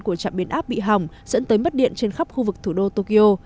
của trạm biến áp bị hỏng dẫn tới mất điện trên khắp khu vực thủ đô tokyo